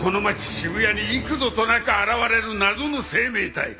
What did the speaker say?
渋谷に幾度となく現れる謎の生命体。